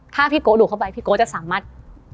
ถ้าพี่โกะดูดเข้าไปพี่โก๊จะสามารถ